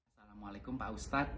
assalamualaikum pak ustadz